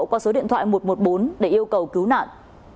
qua số điện thoại một trăm một mươi bốn để yêu cầu cứu nạn